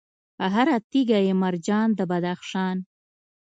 هر تیږه یې مرجان د بدخشان